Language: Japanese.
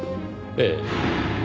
ええ。